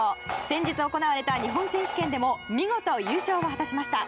先日行われた日本選手権でも見事優勝を果たしました。